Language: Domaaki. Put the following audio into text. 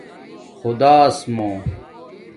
خُداس مُݸ